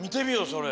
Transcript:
それ。